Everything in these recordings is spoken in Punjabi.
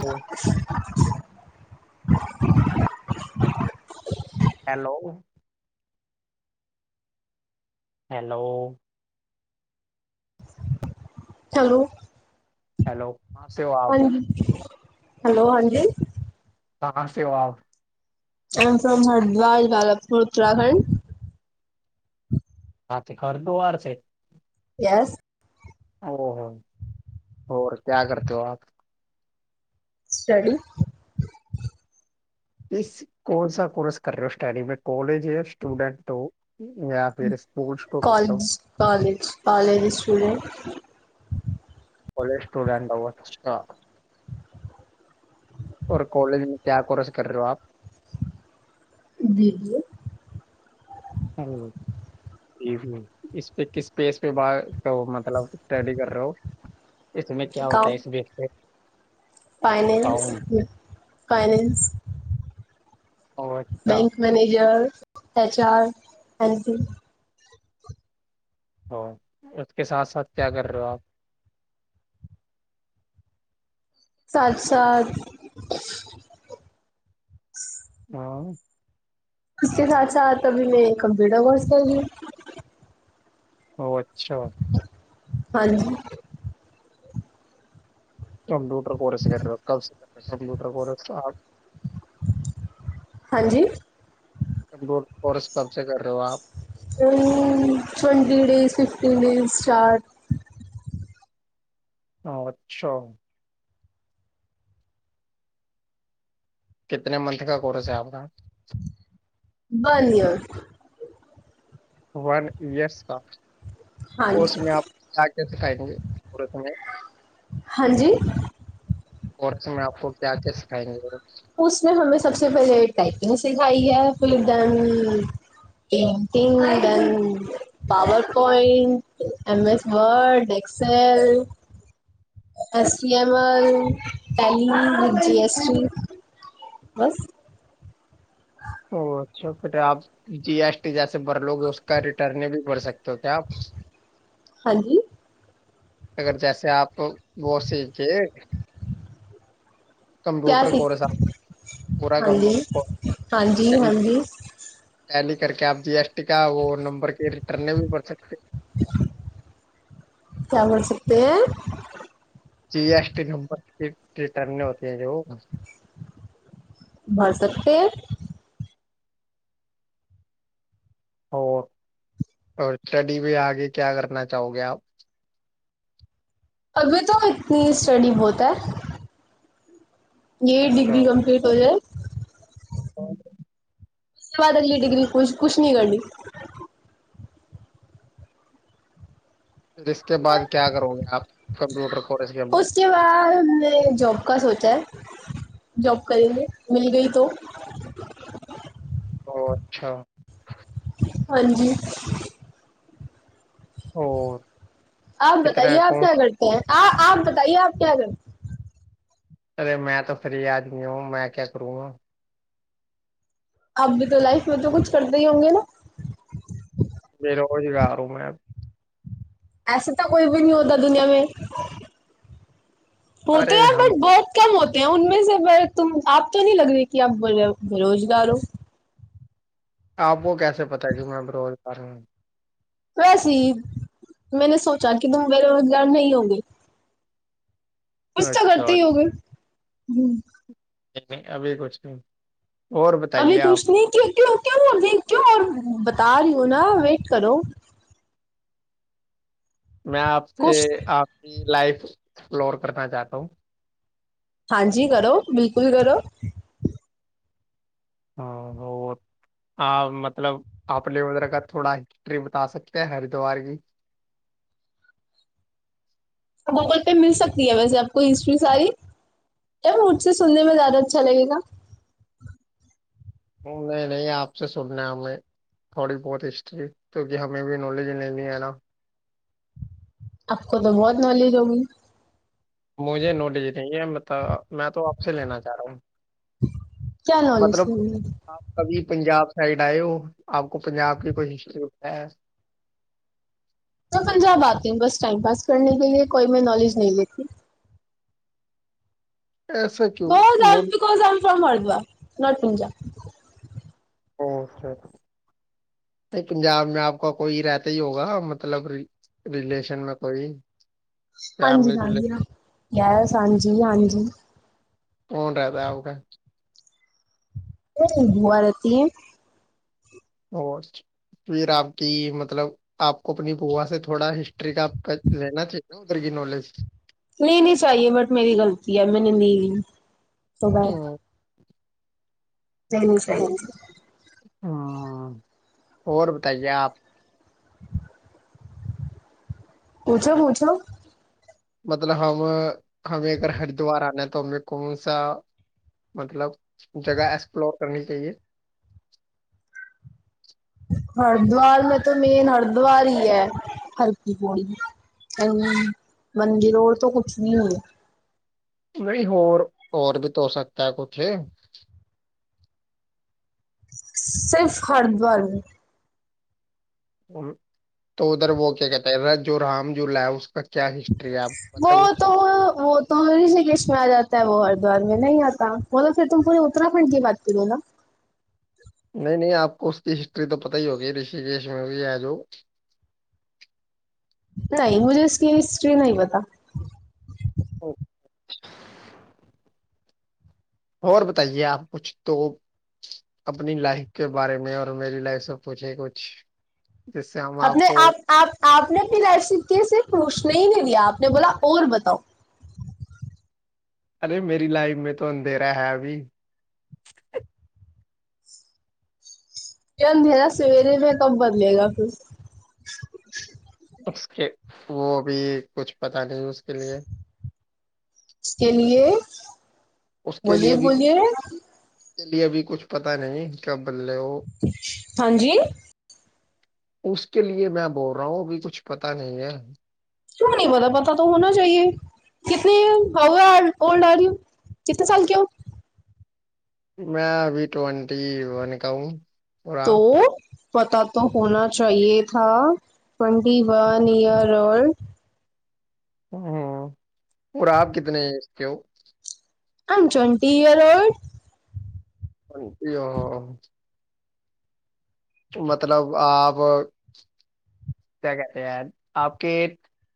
[unintelligible] ਹੈਲੋ। ਹੈਲੋ। ਚਲੋ, ਹਾਂਜੀ। ਹੈਲੋ, ਹਾਂਜੀ। [unintelligible] ਆਈ am from Haridwar Jalpur Uttarakhand. [unintelligible] Yes. ਹੋੋਰ, ਹੋਰ ਕਿਆ ਕਰਤੇ ਹੋ ਆਪ। ਸਟੱਡੀ। ਇਸ ਕੋਨ ਸਾ ਕੋਰਸ ਕਰ ਰਹੇ ਹੋ? ਸਟੱਡੀ ਮੈਂ ਕਾਲਜ ਹੋ ਜਾ ਸਟੂਡੈਂਟ ਹੋ? ਜਾਂ ਫੇਰ ਸਕੂਲ ਤੋਂ ਅਪ ਡਾਉਣ। ਕਾਲਜ, ਕਾਲਜ ਦੇ ਸਟੂਡੈਂਟ। ਕੋਲੇਜ ਸਟੂਡੈਂਟ ਹੋ ਅੱਛਾ। ਔਰ ਕੋਲੇਜ ਮੈਂ ਕਿਆ ਕੋਰਸ ਕਰ ਰਹੇ ਹੋ ਆਪ। B B A. ਹੈਲੋ। ਹੂੰ-ਹੂੰ, ਇਸ ਪੇ ਕਿਸ ਪੇ ਮਤਲਬ ਸਟੱਡੀ ਕਰ ਰਹੇ ਹੋ। ਇਸ ਮੇ ਕਿਆ ਹੋਤਾ ਹੈ ਇਸ ਵੇ। Fines, finance. ਉਹ ਅੱਛਾ। Manager, HR, finance. ਹੋਰ ਉਸਕੇ ਸਾਥ-ਸਾਥ ਕਿਆ ਕਰ ਰਹੇ ਹੋ ਆਪ। ਸਾਥ-ਸਾਥ। ਹਾਂ। ਉਸਕੇ ਸਾਥ-ਸਾਥ ਅਭੀ ਮੈਂ ਕੰਪਿਊਟਰ ਕੋਰਸ ਕਰ ਰਹੀ । ਉਹ ਅੱਛਾ। ਹਾਂਜੀ। ਕੰਪਊਟਰ ਕੋਰਸ ਕਰ ਰਹੋ ਹੋ ਕਬ ਸੇ ਕੰਪਿਊਟਰ ਕੋਰਸ ਆਪ। ਹਾਂਜੀ। ਕੋਰਸ ਕਬ ਸੇ ਕਰ ਰਹੇ ਹੋ ਆਪ। Twenty days fifteen days chart. ਉਹ ਅੱਛਾ। ਕਿਤੇ ਮੰਥ ਕਾ ਕੋਰਸ ਹੈ ਆਪ ਕਾ। ਬਿਜ਼ਨਸ। ਵਨ, ਯਸ ਉਸਮੇ ਆਪ ਕਿਆ-ਕਿਆ ਸਿਖਾਏਗੇ ਕੋਰਸ ਮੇ। ਹਾਂਜੀ। ਕੋਰਸ ਮੈ ਆਪਕੋ ਕਿਆ-ਕਿਆ ਸਿਖਾਏਂ ਗੇ। ਉਸਨੇ ਹਮੇ ਸਭ ਪਹਿਲੇ ਟਾਈਪਿੰਗ ਸਿਖਾਈ ਹੈ ਫਿਰ then [unintelligible] power point, M S Word, Excel. S T M L, Tally, G S T. ਬਸ ਓ ਅੱਛਾ ਫਿਰ ਆਪ ਜੀ ਐਸ ਟੀ ਜੈਸੇ ਬਰਲੋਗੇ ਉਸ ਰਿਟਰਨ ਵੀ ਬਰ ਸਕ ਕਿਆ ਅਗਰ ਜੈਸੇ ਆਪ ਬਹੁ [unintelligible] ਕੰਪਿਊਟਰ ਕੋਰਸ [unintelligible] ਟੈਲੀ ਕਰਕੇ ਆਪ ਜੀ ਐਸ ਟੀ ਕ ਉਹ ਨੰਬਰ ਕੇ ਰਿਟਰਨ ਵੀ ਬਰ ਸਕਦੇ [unintelligible] ਕਿਆ ਕਰ ਸਕਦੇ ਏ G S T number return ਹੋਤੀ ਹੈ ਜ ਭਰ ਸਕਤੇ ਹੈ। ਹੋਰ ਸਟੱਡੀ [unintelligible] ਮੈਂ ਆਗੇ ਕਿਆ ਕਰਨਾ ਚਾਹੋਗੇ ਆਪ। ਅਭੀ ਤੋਂ ਇਤਨੀ ਸਟੱਡੀ ਬਹੁਤ ਹੈ। ਜੇ ਡਿਗਰੀ ਕੰਪਲੀਟ ਹੋ ਜਾਏ। [unintelligible] ਤੁਹਾਡੇ ਲਈ ਡਿਗਰੀ ਕੁੱਛ ਕੁੱਛ ਨਈ ਹੈਗਾ ਜੀ ਫ ਇਸਕੇ ਬਾਅਦ ਕਿਆ ਕਰੋਗੇ ਆਪ ਕੰਪਿਊਟਰ ਕੋਰਸ ਕਿਆ ਉਸਕੇ ਬਾਅਦ ਨੇ ਜ ਜੋਬ ਕਾ ਸੋਚਾ ਹੈ ਜੌਬ ਕਰੇਗੇ ਮਿਲ ਗਈ ਤੋਂ ਉਹ ਅੱਛਾ ਹਾਂਜੀ ਹੋਰ ਆਪ ਬਤਾਈਏ ਆਪ ਕਿਆ ਕਰਤੇ ਹੈ ਆਪ ਬਤਾਈਏ ਆਪ ਕਿਆ ਕਰ ਅਰੇ ਮੈਂ ਤਾਂ ਫ੍ਰਰੀ ਆਦਮੀ ਹ ਮੈਂ ਕਿਆ ਕਰੂੰਗਾ ਆਪ ਵੀ ਲਾਈਫ ਮੈਂ ਤਾਂ ਕੁੱਛ ਕਰਦੇ ਹੀ ਹੋਂਗੇ ਨਾ ਬੇਰੁਜ਼ਗਾਰ ਹੋ ਮੈਂ ਐਸੇ ਤਾਂ ਕੋਈ ਵੀ ਨਹੀਂ ਹੋਦਾ ਦੁਨੀਆਂ ਮੈਂ [unintelligible] ਹੋਤੇ ਹੈ ਬਟ ਬਹੁਤ ਕਮ ਹੋਤੇ ਹੈ ਉਮੇ ਬ ਤੁ ਆਪ ਤਾਂ ਨਹੀਂ ਲਗ ਰਹੇ ਕਿ ਆਪ ਬ ਬੇਰੋਜ਼ਗਾਰ ਹੋ ਆਪ ਕੋ ਕੈਸੇ ਪਤਾ ਕਿ ਮੈਂ ਬੇਰੁਜ਼ਗਾਰ ਹੂੰ ਵੈਸੇ ਮੈਨੇ ਸੋਚਾ ਕਿ ਤੁਮ ਬੇ ਰੁਜ਼ਗਾਰ ਨਹੀਂ ਹੋਗੇ ਕੁਛ ਤਾਂ ਕਰਦੇ ਹੀ ਹੋਗੇਏ ਹੂੰ ਨਹੀਂ ਨਹੀਂ ਅਭੀ ਕੁਛ ਨਹੀਂ ਕਭ ਕੁਛ ਨਹੀਂ ਕਿ [unintelligible] ਕਿਉਂ ਬਤਾ ਰਹੀ ਹੋ ਨਾ ਵੇਟ ਕਰੋ ਮੈਂ ਆਪਸੇ ਆਪਕੀ ਲਾਈਫ ਐਸਪਲੋਰ ਕਰਨਾ ਚਾਹਤਾ ਹੂੰ ਹਾਂਜੀ ਕਰੋ ਬਿਲਕੁਲ ਕਰੋ ਹਾਂ ਹੋਰ ਹਾਂ ਮਤਲਬ ਆਪਣੇ ਉਧਰ ਕ ਥੋੜਾ ਹਿਸਟਰੀ ਬਤਾ ਸਕਦੇ ਹੈ ਹਰਿਦੁਵਾਰ ਕੀ ਗੂਗਲ ਪੇ ਮਿਲ ਸਕਦੀ ਹੈ ਵੈਸੇ ਆਪ ਕੋ ਹਿਸਟਰੀ ਸਾਰੀ ਕਿਆ ਮੈਂ ਮੁਜਸੇ ਸੁਣਨ ਮੈਂ ਜ਼ਿਆਦਾ ਅੱਛਾ ਲਗੇਗਾ ਨਹੀਂ ਨਹੀਂ ਆਪਸ ਸੁਣਨਾ ਹੈਂ ਥੋੜੀ ਬਹੁਤ ਹਿਸਟਰੀ ਕਿਉਂਕਿ ਹਮੇ ਵੀ ਨੌਲੇਜ ਨਹੀਂ ਹੈ ਨਾ। ਆਪਕ ਤਾਂ ਬਹੁਤ ਨੌਲੇਜ ਹੋਗੀ ਮੁਝੇ ਨੋਲਿਜ ਨਹੀਂ ਹੈ ਮਬ ਮੈਂ ਤੋਂ ਆਪੇ ਲੈਣਾ ਚਾਹ ਰਿਹਾ ਹ ਮਤਲਬ ਆਪ ਕਭੀ ਪੰਜਾਬ ਸਾਈਡ ਆਏ ਹੋ ਆਪ ਕੋ ਪੰਜਾਬ ਕੀ ਕੋਈ ਹਿਸਟਰੀ ਪਤਾ ਹੈ ਮ ਪੰਜਾਬ ਆਤੀ ਬਸ ਟਾਈਮ ਪਾਸ ਕਰਨੇ ਕੇ ਲੀਏ ਮੈਂ ਨੌਲੇਜ ਨਹੀਂ ਲਤੀ [unintelligible] [unintelligible] ਨਹੀਂ ਪੰਜਾਬ ਮੈਂ ਆਪ ਕ ਕੋਈ ਰਹਿਤਾ ਹੀ ਹੋਗਾ ਮਤਲਬ ਰਿਲੇਸ਼ਨ ਮੈਂ ਕੋਈ ਹਾਂਜੀ ਹਾਂ ਯ ਹਾਂਜੀ ਹਾਂਜੀ ਕੌਣ ਰਹਿੰਦਾ ਉਹਊਗਾ ਮੇਰੀ ਬੂਆ ਰਹਿਤੀ ਹੈ। ਹੋ ਫਿਰ ਆਪ ਕੀ ਮਤਲਬ ਆਪਕ ਆਪਣੀ ਭੂਆ ਥੋੜਾ ਹਿਸਟਰੀ ਕ ਲੈਣਾ ਚਾਹੀਦਾ ਉਧਰ ਕੀ ਨੌਲੇਜ ਨਹੀਂ ਨਹੀਂ ਚਾਹੀਏ ਬਟ ਮੇਰੀ ਗ਼ਲਤੀ ਹੈ ਮੈਂ ਲਈ ਬਾ ਜੈ ਨਸ਼ਾਹੀ ਜੀ ਹਮ ਹੋਰ ਬਤਾਈਏ ਆਪ ਪੁੱਛੋ ਪੁੂਛੋ ਮਤਲਬ ਹਮ ਹਮੇ ਅਗਰ ਹਰਿਦੁਵਾਰ ਆਉਣਾ ਹੈ ਤਾਂ ਹੇ ਕੌਣ ਸਾ ਮਤਲਬ ਜਗ੍ਹਾ ਐਕਸਪਲੋਰ ਕਰਨੀ ਚਾਹੀਏ ਹਰਿਦੁਵਰ ਮੈਂ ਤਾਂ ਮੇਨ ਹਰਿਦੁਵਰ ਹੀ ਹੈ ਹਲਕੀ ਪੜ ਮੰਦਿਰ ਰ ਤੋਂ ਕੁੱਛ ਨੀ ਹੈ ਨਹੀਂ ਹੋਰ ਹੋਰ ਵੀ ਤ ਹੋ ਸਕਦਾ ਕੁੱਛ ਸਿਰਫ ਹਰਿਦੁਆਰ ਉਧਰ ਵ ਕਿਆ ਕਹਿਤੇ ਰ ਜੋ ਰਾਮ ਜੁਲਾ ਹੈ ਉਸ ਉਹ ਤਾਂ ਬਹੁਤ ਰਿਸ਼ੀਕੇਸ਼ ਮੇ ਆਤਾ ਮੈਂ ਆ ਜਾਤਾ ਹੈ ਵ ਹਰਿਦੁਆਰ ਨਹੀਂ ਆਤਾ ਬੋਲੋ ਫਿਰ ਤੁ ਪੂਰੇ ਉਤਰਾਖੰਡ ਕੀ ਬਾਤ ਕਰੋ ਨਾ ਨਹੀਂ ਨਹੀਂ ਆਪ ਉਸਦੀ ਹਿਸਟਰੀ ਤਾਂ ਪਤਾ ਹੀ ਹੋ ਗੀ ਰਿਸ਼ਕੇਸ਼ ਮ ਵੀ ਆ ਜੋ ਨਹੀਂ ਮੁਝੇ ਇਸ ਹਿਸਟਰੀ ਨਹੀਂ ਪਤਾ ਓਕੇ ਹੋਰ ਬਤਾਈਏ ਆਪ ਕੁਛ ਤੋਂ ਆਪਣੀ ਲਾਈਫ ਕੇ ਬਾਰੇ ਮੈਂ ਰ ਮੇਰੀ ਲਾਈਫ ਸ ਪੁੱਛੇ ਕੁਛ ਆਪਣੇ ਆਪ ਆਪ ਨੇ ਫਿਰ ਐਸੀਕੇ ਸੇ ਪੁੱਛਣਾ ਹੀ ਨਹੀਂ ਲਿਆ ਆਪ ਨੇ ਬੋਲਾ ਬਤਾਓ ਅਰੇ ਮੇਰੀ ਲਾਈਫ ਮੈਂ ਤ ਅੰਧੇਰਾ ਹੈ ਅਭ ਅੰਧੇਰਾ ਸਵੇਰੇ ਮੈਂ ਕਮ ਬਦਲੇਗਾ ਫਿਰ ਉਸ ਕੇ ਉਹ ਵੀ ਕੁਛ ਪਤਾ ਨਹੀਂ ਉਸਕੇ ਲਏ ਉਸਕੇ ਲੀਏ ਉਸ ਕੇ ਲ ਵੀ ਉਸ ਲ ਵੀ ਕੁਛ ਪਤਾ ਨਹੀਂ ਬਦਲੇ ਵੋ ਉਹ ਹਾਂਜੀ ਉਸਕੇ ਲਈ ਮੈਂ ਬੋਲ ਰਿਹਾ ਹ ਅ ਕੁੱਛ ਪਤਾ ਨਹੀ ਹੈ ਕਿਉ ਨਹੀਂ ਪਤਾ ਪਤਾ ਤਾਂ ਹੋਣਾ ਚਾਹੀਏ ਕਿਤਨੀ ਆਊ ਓਲਡ ਆਰ ਕਿਤਨੇ ਸਾਲ ਕੀ ਹੋ ਮੈਂ ਵੀ ਟਵੰਟੀ ਵਨ ਕਾ ਹੂੰ ਤੋ ਪਤਾ ਤਾਂ ਹੋਣਾ ਚਾਹੀਏ ਥਾ ਟਵੈਂਟੀ ਵਨ ਈਅਰ ਓਲਡ ਹਮ ਔਰ ਆਪ ਕਿਤਨ ਹੈ ਏਜ ਕੇ ਹੋ ਆਮ ਟਵੰਟੀ ਅਰ ਓਲਡ ਹ ਆ ਮਤਲਬ ਆਬ। ਕ ਕਹਿ ਰਹੇ ਆਪ ਕੇ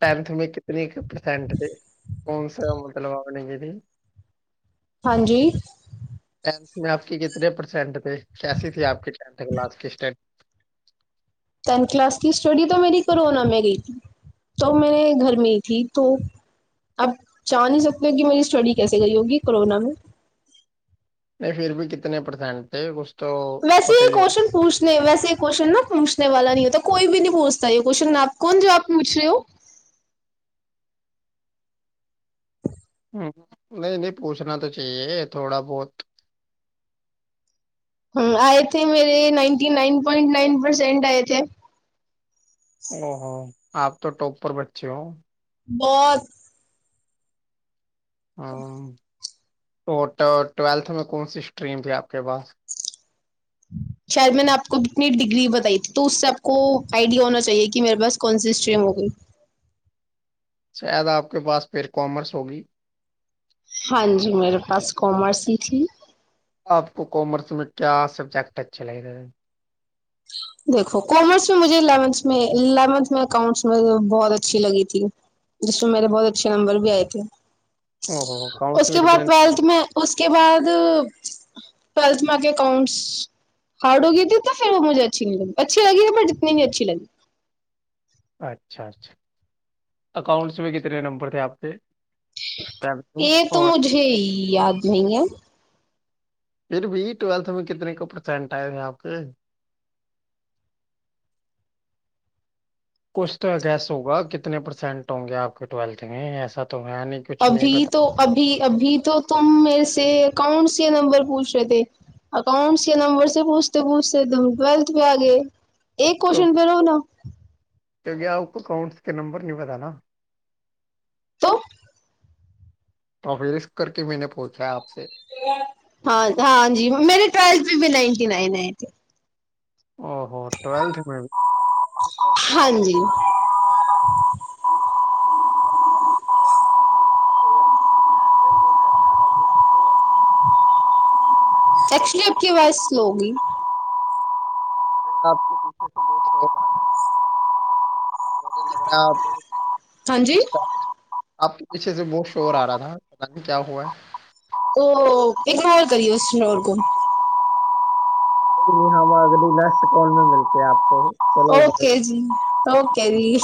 ਟੈਂਥ ਮੈਂ ਕਿਤਨੇ ਪਰਸੈਂਟ ਥੇ ਹੋਣ ਸ ਮਤਲਬਵਾਗਣੇ ਗ ਦੀ ਹਾਂਜੀ ਟ ਕਿੇ ਪਰਸੈਂਟੇ ਕੈਸੀ ਆਪ ਟ ਕਲਾਸ ਟੈਂਥ ਕਲਾਸ ਕੀ ਸਟੱਡੀ ਤਾਂ ਮੇਰੀ ਕੋਰੋਨਾ ਮੈਂ ਗਈ ਤ ਮੇਰੇ ਘਰ ਮੇ ਥੀ ਤੋ ਆਪ ਜਾਣ ਨਹੀਂ ਸਕਦੇ ਹੋ ਕਿ ਮੇਰੀ ਸਟੱਡੀ ਕੈਸੇ ਕਰੀ ਹੋਗੀ ਕੋਰੋਨਾ ਮ ਨਹੀਂ ਫਿਰ ਵੀ ਕਿਤਨੇ ਪਰਸੈਂਟ ਵੈਸੇ ਇਹ ਕੁਸ਼ਚਨ ਪੁੱਛਦੇ ਨਹੀ, ਵੈਸੇ ਕੁਸ਼ਚਨ ਨਾ ਪੂਛਨੇ ਵਾਲਾ ਨਹੀਂ ਹੋਤਾ, ਕੋਈ ਵੀ ਨਹੀਂ ਪੂਛਤਾ ਇਹ ਕੁਸ਼ਚਨ, ਆਪ ਕੌਣ ਜੋ ਆਪ ਪੁੱਛ ਰਹੇ ਹੋ? ਹਮ ਨਹੀਂ -ਨਹੀਂ ਪੂਛਣਾ ਤਾਂ ਚਾਹੀਏ ਥੋੜਾ ਬਹੁਤ ਹਮ ਆਏਥੇ ਮੇਰੇ ninety nine point nine percent ਆਏ ਥੇ ਓ ਹੋ ਆਪ ਤੋਂ ਟੋਪਪਰ ਬੱਚੇ ਹੋ ਬਸ ਹਾਂ, ਟੋਟਲ ਟਵੇਲਥ ਮੇ ਕੌਣ ਸੀ ਸਟ੍ਰਰੀਮ ਥੀ ਆਪ ਕੇ ਪਾਸ [unintelligible] ਸ਼ਾਇਦ ਮੇਨੇ ਆਪਕੋ ਕਿਤਨੀ ਡਿਗਰੀ ਬਤਾਈ ਥੀ ਤੋ ਸਬਕੋ ਆਈਡੀਆ ਹੋਣਾ ਚਾਹੀਏ ਕਿ ਮੇਰੇ ਪਾਸ ਕੌਣ ਸੀ ਸਟਰੀਮ ਹੋਗੀ ਸ਼ਾਇਦ ਆਪ ਕੇ ਪਾਸ ਫਿਰ ਕਾਮਰਸ ਹੋਗੀ ਹਾਂਜੀ, ਮੇਰੇ ਪਾਸ ਕੋਮਰਸ ਹੀ ਥੀ ਆਪ ਕੋ ਕੋਮਰਸ ਮੈਂ ਕਿਆ ਸਬਜੈਕਟ ਅੱਛਾ ਲਗੇਗਾ ਦੇਖੋ ਕਮਰਸੈਂ ਮੁ ਇਵਥ ਇੈਵਨਥ ਮੈਂ ਅਕਾਊਂਟਸ ਬਹੁਤ ਅੱਛੀ ਲਗੀ ਥੀ ਜਿਸੇ ਮੇਰੇ ਬਹੁਤ ਅੱਛੇ ਨੰਬਰ ਵੀ ਆਏ ਥੇ ਉਸਕੇ ਬਾਅਦ ਟਵੈਲਥ ਮੈਂ ਉਸਕੇ ਬਾਅਦ ਟਵੈਲਥ ਮੈਂ ਆ ਕੇ ਅਕਾਊਂਟਸ ਹਾਰਡ ਹੋ ਗਈ ਥੀ ਤਾਂ ਫਿਰ ਉਹ ਮੁੇ ਅੱਛੀ ਲੱਗੀ ਅੱੀ ਲੱਗੀ ਬ ਇਨੀ ਨ ਅੱਛੀ ਲੱਗੀ ਅੱਛਾ, ਅੱਛਾ ਅਕਾਊਂਟਸ ਮ ਕਿਤਨੇ ਨੰਬਰਥੇ ਆਪ ਦੇ ਇਹ ਤੋਂ ਮੁਝੇ ਯਾਦ ਨਹੀਂ ਹ ਫਿਰ ਵੀ ਟਵੈਲਥ ਮੇ ਕਿਤਨੇ ਪਰਸੈਟ ਆਏ ਆਪਕੇ ਕੁਛ ਤਾਂ ਗੈਸ ਹੋਗਾ, ਕਿਤਨੇ ਪਰਸੈਂਟ ਹੋਂਗੇ ਆਪ ਕੇ ਟਵੇਲਥ ਮੇ ਐਸਾ ਤੋ ਹੈ ਨੀ ਅਭੀ ਤੋਂ ਅਭੀ ਅਭੀ ਤੋਂ ਤੁਮ ਮੇਰੇਸ ਅਕਾਊਂਟਸ ਨੰਬਰ ਪੂਛ ਰਹੇ ਥੇ ਅਕਾਊਂਟਸ ਕੇ ਨੰਬਰ ਪੁੂਛਤੇ- ਪੁੂਛਤੇ ਤੁਮ ਟਵੈਲਥ ਪੇ ਆ ਗਏ ਇਹ ਕੁਸਚਨ ਫਿਰੋ ਨਾ ਦਿਵਿਆ ਆਪਕੋ ਅਕਾਊਂਟਸ ਕੇ ਨੰਬਰ ਨਹੀਂ ਪਤਾ ਨਾ ਤੋ ਤਾਂ ਫਿਰ ਰਿਸਕ ਕਰਕੇ ਮੈਂਨੇ ਪੁਛਾ ਆਪਸੇ ਹਾਂ, ਹਾਂ ਜੀ ਮੇਰੀ ਟਵੈਲਥ ਵੀ ਨਾਇਨਟੀ ਨਾਇਨ ਏ ਓਹੋ ਟਵੈਲਥ ਮੇ ਅਰੇ ਯੇ ਕਿਆ ਹੋ ਰਹਾ ਹੇ ਐਕਚਲੀ ਆਪ ਕੀ ਆਵਾਜ਼ ਸਲੋ ਹੋ ਗਈ ਅਰੇ ਆਪ ਕੇ ਪੀਛੇ ਬਹੁਤ ਸ਼ੌਰ ਆ ਰਿਹਾ ਹੈ, ਮੂਜੇ ਲਗ ਰਿਹਾ ਹਾਂਜੀ ਆਪ ਕੇ ਪਿੱਛੇ ਸੇ ਬਹੁਤ ਸ਼ੋਰ ਆ ਰਿਹਾ ਥਾ, ਪਤਾ ਨਹੀਂ ਕਿਆ ਹੁਆ ਹੈ ਉਹ ਇਗਨੋਰ ਕਰੀਏ ਉਸਨੋਰ ਕੋ ਕੋਈ ਨਹੀ ਅਬ ਅਗਲੀ ਨੈਕਸਟ ਕਾਲ ਮੈਂ ਮਿਲਤੇ ਹੇ ਆਪਕੋ ਓਕੇ ਜੀ, ਓਕੇ ਜੀ